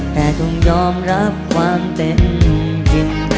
แต่ต้องยอมรับความเป็นจริง